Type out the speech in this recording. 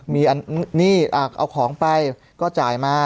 มีอันนี้เอาของไปก็จ่ายมา